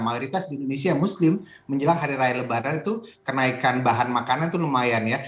mayoritas di indonesia yang muslim menjelang hari raya lebaran itu kenaikan bahan makanan itu lumayan ya